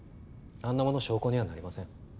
あんなもの証拠にはなりません。